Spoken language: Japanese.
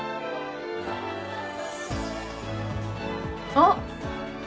あっ！